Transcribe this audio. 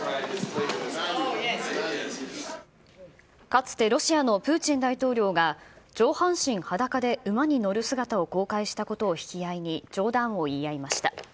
かつてロシアのプーチン大統領が、上半身裸で馬に乗る姿を公開したことを引き合いに冗談を言い合いました。